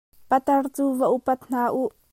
Patar cu va upat hna uh!